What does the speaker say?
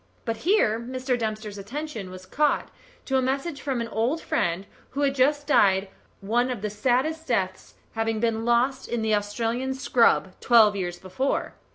But here Mr. Dempster's attention was called to a message from an old friend who had just died one of the saddest of deaths, having been lost in the Australian scrub twelve years before.